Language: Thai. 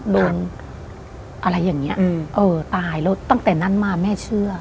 ตายแล้วตั้งแต่นั้นมาแม่เชื่อ